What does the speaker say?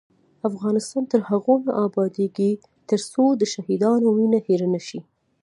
افغانستان تر هغو نه ابادیږي، ترڅو د شهیدانو وینه هیره نشي.